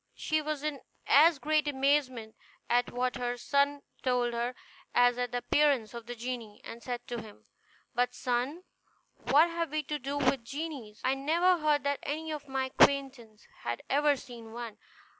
She was in as great amazement at what her son told her as at the appearance of the genie; and said to him, "But, son, what have we to do with genies? I never heard that any of my acquaintance had ever seen one.